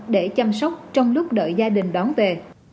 để chăm sóc trong lúc đợi gia đình đón về